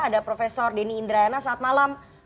ada profesor deni indrayana saat malam